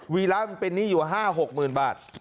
วีระมันเป็นหนี้อยู่ว่า๕๖หมื่นบาท